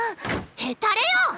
ヘタレよ！